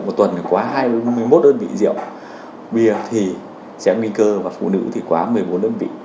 một tuần quá hai mươi một đơn vị rượu bia thì sẽ nguy cơ và phụ nữ thì quá một mươi bốn đơn vị